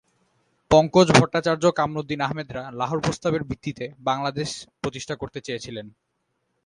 পঙ্কজ ভট্টাচার্য কামরুদ্দীন আহমেদরা লাহোর প্রস্তাবের ভিত্তিতে বাংলাদেশ প্রতিষ্ঠা করতে চেয়েছিলেন।